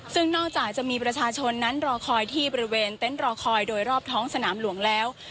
ซึ่งนอกจากจะมีประชาชนนั้นรอคอยที่บริเวณเต็นต์รอคอยโดยรอบท้องสนามหลวงแล้ว